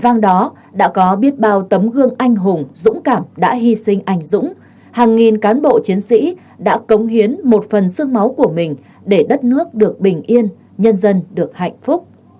vang đó đã có biết bao tấm gương anh hùng dũng cảm đã hy sinh anh dũng hàng nghìn cán bộ chiến sĩ đã cống hiến một phần sương máu của mình để đất nước được bình yên nhân dân được hạnh phúc